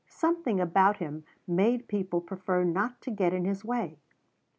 Something about him made people prefer not to get in his way.